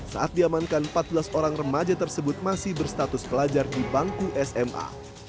saat diamankan empat belas orang remaja tersebut masih berstatus pelajar di bangku sma